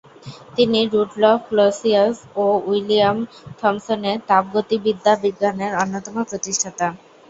তিনি Rudolf Clausius ও William Thomson এর তাপগতিবিদ্যা বিজ্ঞানের অন্যতম প্রতিষ্ঠাতা।